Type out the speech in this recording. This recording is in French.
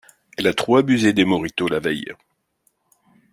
Elle a trop abusé des mojitos la veille.